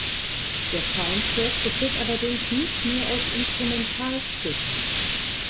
Der Soundtrack besteht allerdings nicht nur aus Instrumentalstücken.